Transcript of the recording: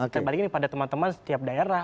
terbaliknya ini pada teman teman setiap daerah